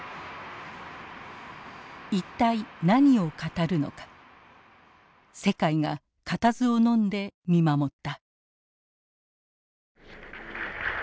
一体何を語るのか世界が固唾をのんで見守った。